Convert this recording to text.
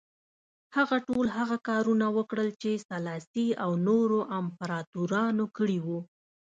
هغه ټول هغه کارونه وکړل چې سلاسي او نورو امپراتورانو کړي وو.